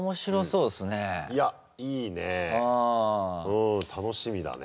うん楽しみだね。